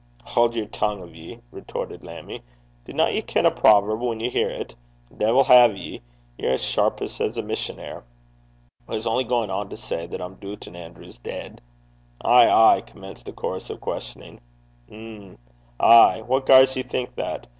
'Haud the tongue o' ye,' retorted Lammie. 'Dinna ye ken a proverb whan ye hear 't? De'il hae ye! ye're as sharpset as a missionar'. I was only gaun to say that I'm doobtin' Andrew's deid.' 'Ay! ay!' commenced a chorus of questioning. 'Mhm!' 'Aaay!' 'What gars ye think that?'